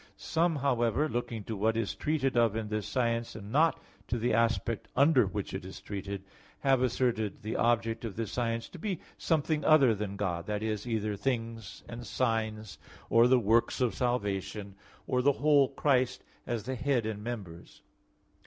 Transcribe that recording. Some, however, looking to what is treated of in this science, and not to the aspect under which it is treated, have asserted the object of this science to be something other than God that is, either things and signs; or the works of salvation; or the whole Christ, as the head and members.